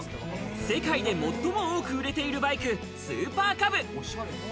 世界で最も多く売れているバイク、スーパーカブ。